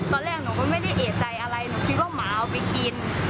ตอนแรกหนูก็ไม่ได้เอกใจอะไรหนูคิดว่าหมาเอาไปกิน